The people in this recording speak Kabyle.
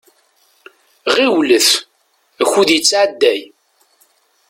Ɣiwlet, akud yettɛedday.